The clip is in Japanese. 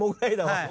はい。